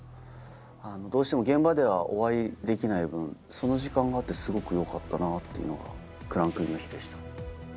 どうしても現場ではお会いできない分その時間があってすごくよかったなぁっていうのがクランクインの日でした。